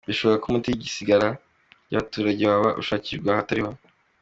Bishoboka ko umuti w’isiragira ry’abaturage waba ushakirwa ahatariho .